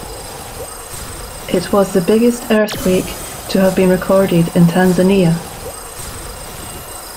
It was the biggest earthquake to have been recorded in Tanzania.